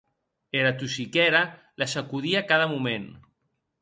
Era tossiquèra la secodie cada moment.